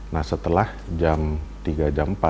nah setelah jam tiga jam empat justru disitulah keadaan ini